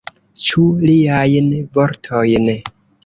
Ĉu liajn vortojn?